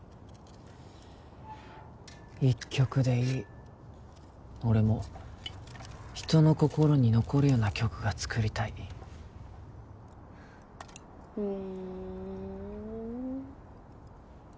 １曲でいい俺も人の心に残るような曲が作りたいふーん